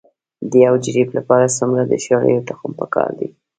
د یو جریب لپاره څومره د شالیو تخم پکار دی؟